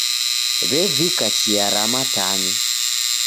W'evika chia ra matanyo.